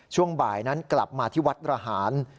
ช่วงบ่ายนั้นกลับมาที่วัดระหาร